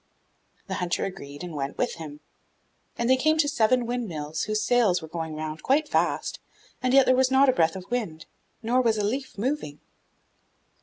The hunter agreed and went with him, and they came to seven windmills whose sails were going round quite fast, and yet there was not a breath of wind, nor was a leaf moving.